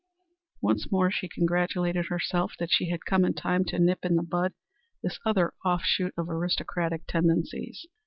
Once more she congratulated herself that she had come in time to nip in the bud this other off shoot of aristocratic tendencies.